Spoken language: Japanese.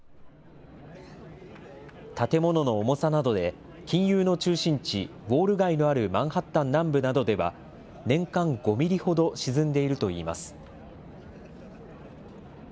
建物の重さなどで金融の中心地、ウォール街のあるマンハッタン南部などでは、年間５ミリほど沈んでいるといいます。